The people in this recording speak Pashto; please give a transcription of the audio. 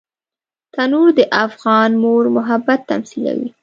تنور د افغان مور محبت تمثیلوي